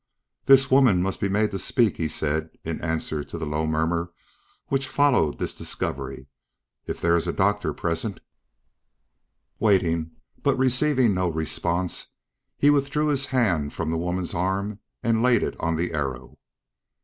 "This woman must be made to speak," he said in answer to the low murmur which followed this discovery. "If there is a doctor present " Waiting, but receiving no response, he withdrew his hand from the woman's arm and laid it on the arrow.